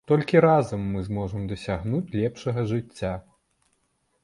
Толькі разам мы зможам дасягнуць лепшага жыцця.